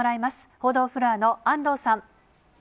報道フロアの安藤さん。